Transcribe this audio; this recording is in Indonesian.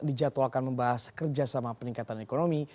dijadwalkan membahas kerjasama peningkatan ekonomi